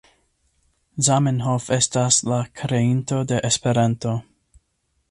Zamenhof estas la kreinto de Esperanto.